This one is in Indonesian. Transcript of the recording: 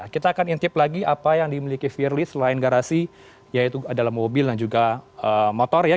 kita akan intip lagi apa yang dimiliki firly selain garasi yaitu adalah mobil dan juga motor ya